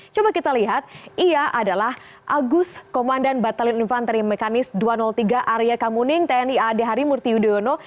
coba kita lihat ia adalah agus komandan batalite infanteri mekanis dua ratus tiga area kamuning tni ad harimurti yudhoyono